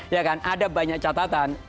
ya kan ada banyak catatan